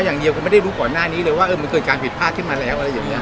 หวันรู้ตอนเค้าอย่างเดียว